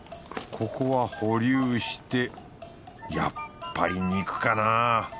ここは保留してやっぱり肉かな？